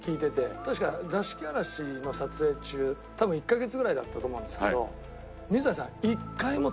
確か『座敷わらし』の撮影中多分１カ月ぐらいだったと思うんですけど水谷さん